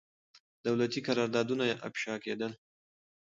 دولتي قراردادونه افشا کېدل.